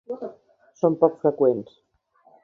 Són poc freqüents.